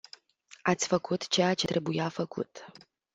Ați făcut ceea ce trebuia făcut.